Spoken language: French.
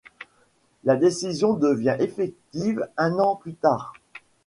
La décision devient effective un an plus tard.